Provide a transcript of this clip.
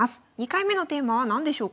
２回目のテーマは何でしょうか？